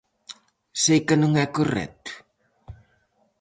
Seica non é correcto?